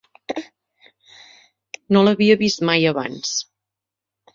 No l'havia vist mai abans.